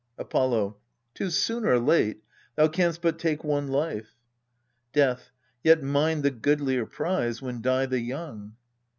Apollo. Tis soon or late thou canst but take one life. Death. Yet mine the goodlier prize when die the young.